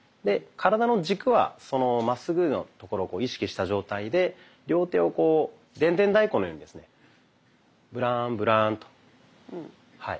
で体の軸はまっすぐのところを意識した状態で両手をこうでんでん太鼓のようにですねブランブランと。